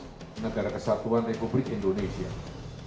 mencermati berbagai pertimbangan di atas serta menyerap aspirasi masyarakat